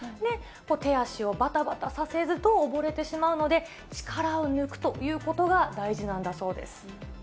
手足をばたばたさせると溺れてしまうので、力を抜くということが大事なんだそうです。